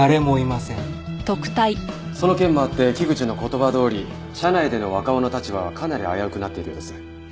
その件もあって木口の言葉どおり社内での若尾の立場はかなり危うくなっているようです。